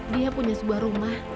dia punya sebuah rumah